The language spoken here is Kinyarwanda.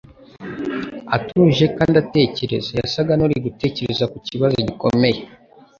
Atuje kandi atekereza yasaga n'uri gutekereza ku kibazo gikomeye.